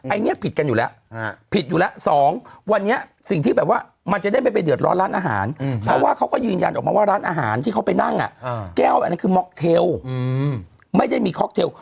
อันนี้ผิดกันอยู่แล้วผิดอยู่แล้วสองวันนี้สิ่งที่แบบว่ามันจะได้ไม่ไปเดือดร้อนร้านอาหารเพราะว่าเขาก็ยืนยันออกมาว่าร้านอาหารที่เขาไปนั่งแก้วอันนั้นคือม็อกเทลไม่ได้มีค็อกเทล